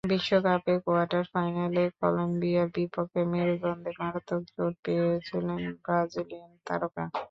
বিশ্বকাপে কোয়ার্টার ফাইনালে কলম্বিয়ার বিপক্ষে মেরুদণ্ডে মারাত্মক চোট পেয়েছিলেন ব্রাজিলিয়ান তারকা।